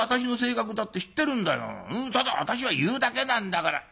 ただ私は言うだけなんだから。